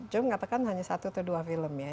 jom katakan hanya satu atau dua film ya